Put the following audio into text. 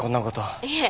いえ